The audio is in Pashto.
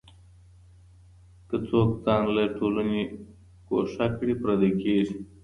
که څوک ځان له ټولني ګوښه کړي پردی کېږي.